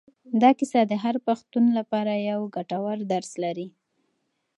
دا کیسه د هر پښتون لپاره یو ګټور درس لري.